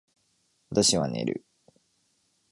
私は寝る